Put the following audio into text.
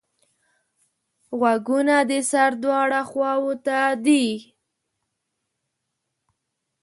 غوږونه د سر دواړو خواوو ته دي